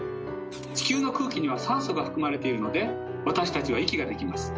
地球の空気には酸素が含まれているので私たちは息ができます。